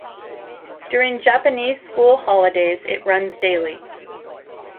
During Japanese school holidays it runs daily.